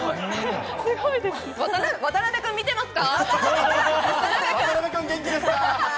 渡邊君、見てますか？